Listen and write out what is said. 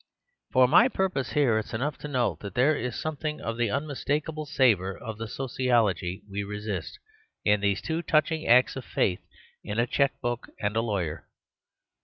For my purpose here, it is enough to note The Superstition of Divorce 57 that there is something of the unmistakable savour of the sociology we resist, in these two touching acts of faith, in a cheque book and in a lawyer.